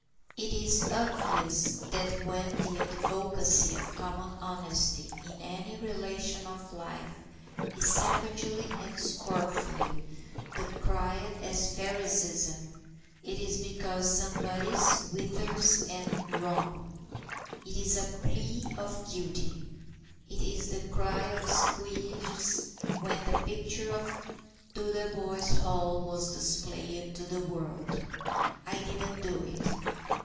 It is obvious that when the advocacy of common honesty in any relation of life is savagely and scornfully decried as Phariseeism, it is because somebody's withers are wrung. It is a plea of guilty. It is the cry of Squeers when the picture of Dotheboys Hall was displayed to the world: "I didn't do it."